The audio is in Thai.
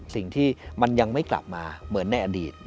สิ่งที่มันยังไม่กลับมาเหมือนในอดีต